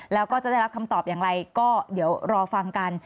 แล้วก็จะได้รับคำตอบอย่างไรก็เดี๋ยวรอฟังกัน